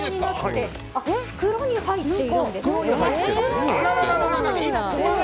袋に入っているんですね。